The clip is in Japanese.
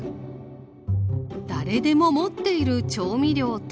誰でも持っている調味料とは？